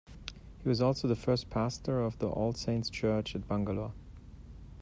He was also the first pastor of the All Saints Church at Bangalore.